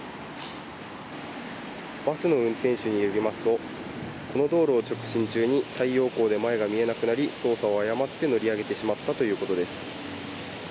バスの運転手によりますとこの道路を直進中に太陽光で前が見えなくなり操作を誤って乗り上げてしまったということです。